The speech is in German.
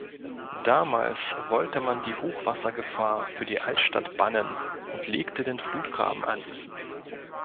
Damals wollte man die Hochwassergefahr für die Altstadt bannen und legte den Flutgraben an.